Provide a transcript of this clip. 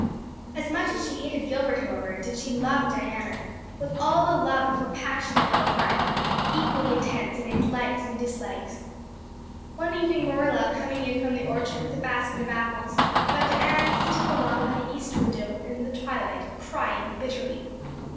As much as she hated Gilbert, however, did she love Diana, with all the love of her passionate little heart, equally intense in its likes and dislikes. One evening Marilla, coming in from the orchard with a basket of apples, found Anne sitting along by the east window in the twilight, crying bitterly.